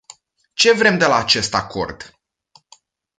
Ce vrem de la acest acord?